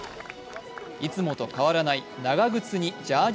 いつもと変わらない長靴にジャージ